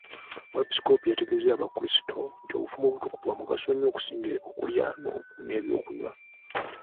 Omwepisikoopi yategeezezza abakrisito nti obufumbo obutukuvu bwa mugaso nnyo okusinga okulya n'ebyokunywa.